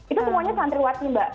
itu semuanya santriwati mbak